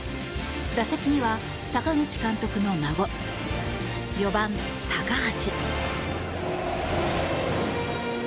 打席には、阪口監督の孫４番、高橋。